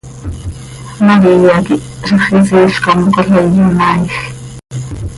María quih zixquisiil com cola iyonaaij.